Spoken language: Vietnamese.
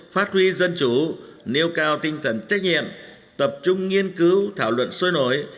phát huy dân chủ nêu cao tinh thần trách nhiệm tập trung nghiên cứu thảo luận sôi nổi